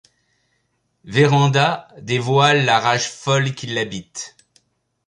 Vérand'a dévoile la rage folle qui l'habite.